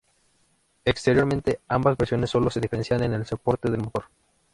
Exteriormente, ambas versiones sólo se diferenciaban en el soporte del motor.